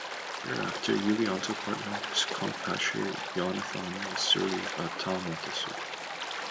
Thereafter Yulianto partnered his compatriot Yonathan Suryatama Dasuki.